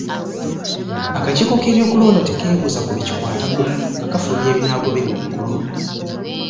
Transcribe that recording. Akakiiko k'ebyokulonda tekeebuuza ku be kikwatako nga kafulumya ebinaagobereerwa mu kulonda.